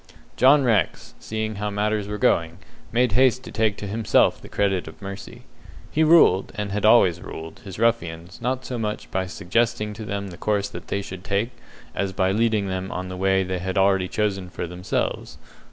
John Rex, seeing how matters were going, made haste to take to himself the credit of mercy. He ruled, and had always ruled, his ruffians not so much by suggesting to them the course they should take, as by leading them on the way they had already chosen for themselves.